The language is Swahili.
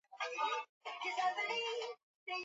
shirikisho lilikua linamfumo mtazamo wa kusema